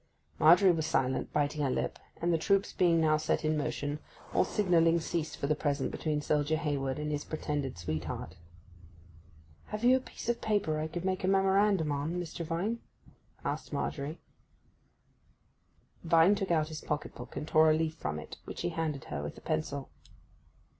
Margery was silent, biting her lip; and the troops being now set in motion, all signalling ceased for the present between soldier Hayward and his pretended sweetheart. 'Have you a piece of paper that I could make a memorandum on, Mr. Vine?' asked Margery. Vine took out his pocket book and tore a leaf from it, which he handed her with a pencil.